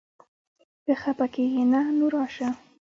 که خپه کېږې نه؛ نو راشه!